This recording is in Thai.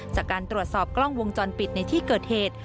จากการตรวจสอบกล้องวงจรปิดในที่เกิดเหตุ